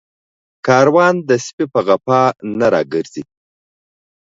کاروان د سپي په غپا نه راگرځي